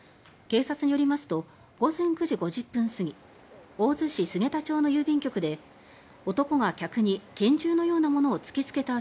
警察よりますと午前９時５０分すぎ大洲市菅田町の郵便局で男が客に、けん銃のようなものを突き付けた